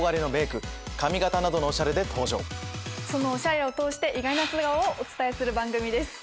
そのおしゃれを通して意外な素顔をお伝えする番組です。